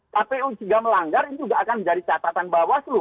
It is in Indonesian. kpu jika melanggar ini juga akan menjadi catatan bawaslu